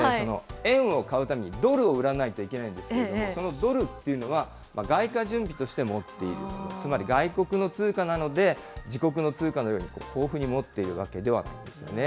というのはですね、円を買うためにドルを売らないといけないんですけれども、そのドルっていうのは、外貨準備として持っている、つまり外国の通貨なので、自国の通貨のように豊富に持っているわけじゃないんですね。